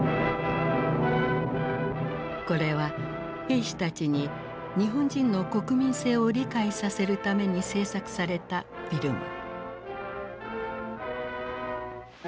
これは兵士たちに日本人の国民性を理解させるために制作されたフィルム。